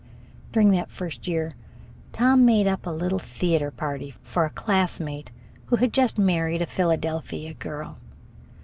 During that first year Tom made up a little theater party for a classmate who had just married a Philadelphia girl.